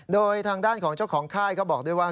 โดยทางด้านของเจ้าของค่ายก็บอกด้วยว่า